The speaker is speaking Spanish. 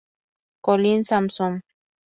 Colin Sampson.